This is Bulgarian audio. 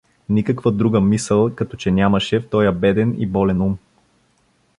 Никаква друга мисъл като че нямаше в тоя беден и болен ум.